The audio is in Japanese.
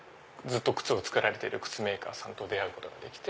靴を作られてる靴メーカーさんと出会うことができて。